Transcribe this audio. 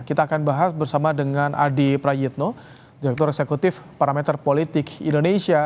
kita akan bahas bersama dengan adi prayitno direktur eksekutif parameter politik indonesia